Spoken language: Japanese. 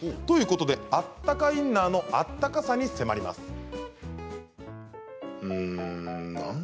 ということであったかインナーのあったかさに迫ります。